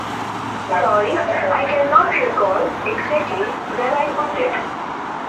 Sorry I cannot recall exactly where I put it.